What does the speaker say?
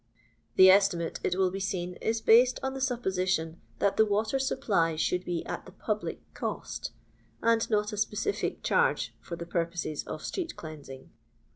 The estimate, it will be seen, is based on the supposition that the water tupply ehould he at the public cast, and not a specific charge for the purposes of street cleansing.